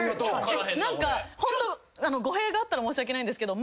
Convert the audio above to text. ホント語弊があったら申し訳ないんですけど。